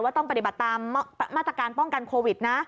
ต้องปฏิบัติตามมาตรการป้องกันโควิดนะ